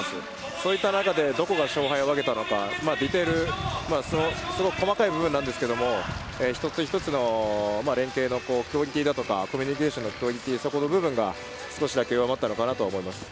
そういった中で、どこが勝敗を分けたのか、ディテール、細かい部分なんですけれど、一つ一つの連係のクオリティーだとか、コミュニケーション、その部分で少しだけ上回ったと思います。